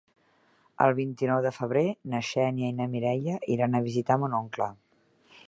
El vint-i-nou de febrer na Xènia i na Mireia iran a visitar mon oncle.